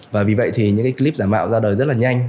và vì vậy thì những cái clip giả mạo ra đời rất là nhanh